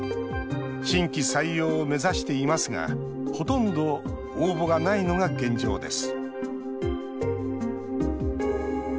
新規採用を目指していますがほとんど応募がないのが現状です